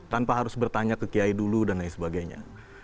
tanpa harus bertanya ke kiai dulu dan lain sebagainya